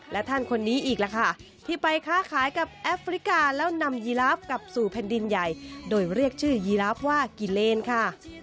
และท่านคนนี้อีกล่ะค่ะที่ไปค้าขายกับแอฟริกาแล้วนำยีลาฟกลับสู่แผ่นดินใหญ่โดยเรียกชื่อยีลาฟว่ากิเลนค่ะ